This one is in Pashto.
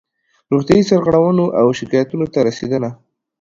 روغتیایي سرغړونو او شکایاتونو ته رسېدنه